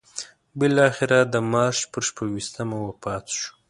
بالاخره د مارچ پر شپږویشتمه وفات شو.